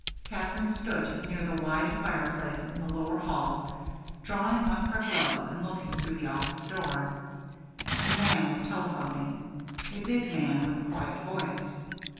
Katherine stood near the wide fireplace in the lower hall drawing off her gloves and looking through the office door. A man was telephoning, a big man with a quiet voice.